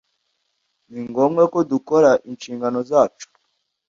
Ni ngombwa ko dukora inshingano zacu